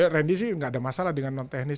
randy sih nggak ada masalah dengan non teknis